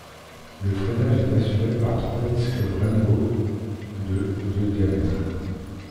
Le freinage est assuré par trois disques Brembo de de diamètre.